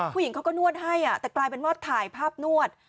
ผู้หญิงเขาก็นวดให้แต่กลายเป็นว่าถ่ายภาพนวด